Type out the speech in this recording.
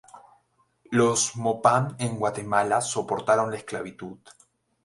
Los Mopán en Guatemala soportaron la esclavitud.